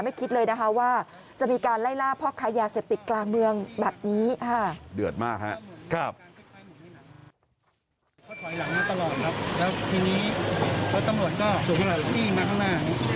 คิดเลยนะคะว่าจะมีการไล่ล่าพ่อค้ายาเสพติดกลางเมืองแบบนี้เดือดมากฮะ